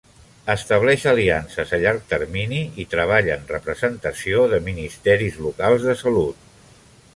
Estableix aliances a llarg termini i treballa en representació de ministeris locals de salut.